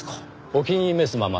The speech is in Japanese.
『お気に召すまま』